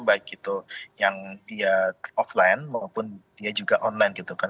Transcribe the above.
baik itu yang dia offline maupun dia juga online gitu kan